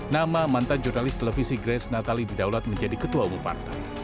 nama mantan jurnalis televisi grace natali didaulat menjadi ketua umum partai